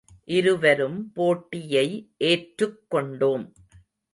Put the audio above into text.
இருவரும் போட்டியை ஏற்றுக்கொண்டோம்.